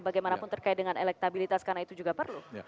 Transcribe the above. bagaimanapun terkait dengan elektabilitas karena itu juga perlu